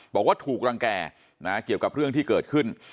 บอกว่าถูกรังแก่นะเกี่ยวกับเรื่องที่เกิดขึ้น